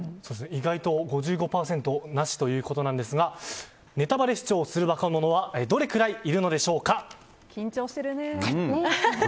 意外と５５％なしということですがネタバレ視聴をする若者はどれくらいいるのでしょうか。